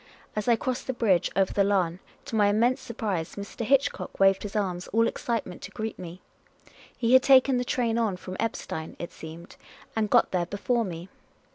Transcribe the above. As I crossed the bridge over the Lahn, to my immense surprise, Mr. Hitchcock waved his arms, all excitement, to greet me. He had taken the train on from Eppstein, it seemed, and got there before me.